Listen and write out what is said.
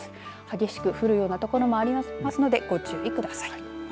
激しく降るような所もありますのでご注意ください。